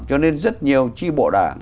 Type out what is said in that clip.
cho nên rất nhiều tri bộ đảng